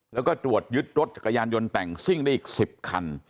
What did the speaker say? แล้วก็ตรวจยึดรถจักรยานยนต์แต่งซิ่งได้อีก๑๐คัน